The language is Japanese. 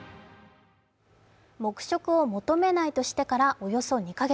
黙食を求めないとしてからおよそ２か月。